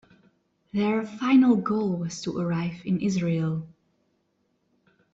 Their final goal was to arrive in Israel.